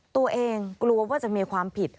ตัวเองกลัวว่าจะมีความผิด